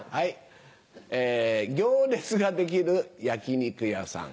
行列ができる焼き肉屋さん。